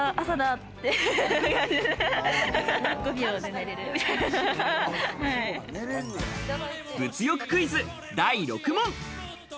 っ物欲クイズ、第６問。